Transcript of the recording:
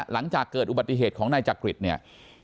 หลังจากเกิดอุบัติเหตุของนายจักริตเนี่ย